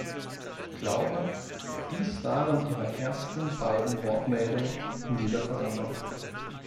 Ich glaube, dies waren Ihre ersten beiden Wortmeldungen in dieser Versammlung.